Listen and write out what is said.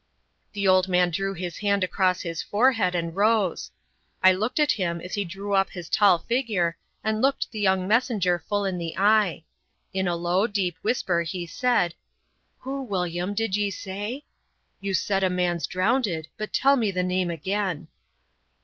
The old man drew his hand across his forehead, and rose. I looked at him as he drew up his tall figure, and looked the young messenger full in the eye. In a low, deep whisper, he said, "Who, William, did ye say? You said a man's drownded, but tell me the name again."